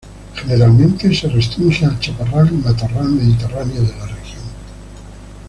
Generalmente se restringe al chaparral y matorral mediterráneo de la región.